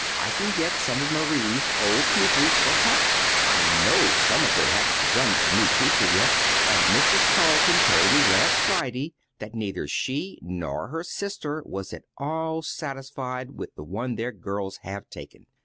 I can get some of Marie's old pupils for her. I know some of them haven't begun with a new teacher, yet; and Mrs. Carleton told me last Friday that neither she nor her sister was at all satisfied with the one their girls have taken.